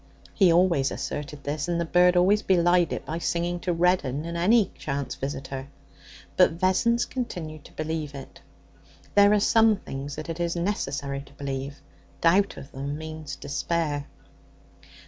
He always asserted this, and the bird always belied it by singing to Reddin and any chance visitor. But Vessons continued to believe it. There are some things that it is necessary to believe; doubt of them means despair.